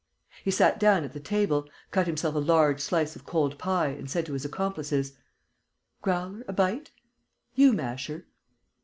He sat down at the table, cut himself a large slice of cold pie and said to his accomplices: "Growler? A bite? You, Masher?"